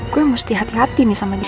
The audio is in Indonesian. gue mesti hati hati nih sama dia